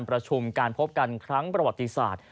ประชุมการพบกันครั้งประวัติศาสตร์